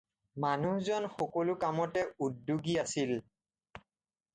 মানুহজন সকলো কামতে উদ্যোগী আছিল।